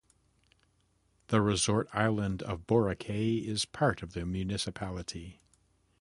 The resort island of Boracay is part of the municipality.